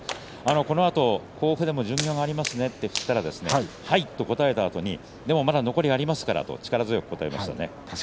このあと甲府でも巡業がありますねと聞きましたらはい、と答えたあとでもまだ残りがありますからと力強く答えましたね。